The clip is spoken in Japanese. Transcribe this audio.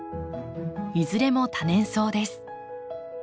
いずれも多年草です。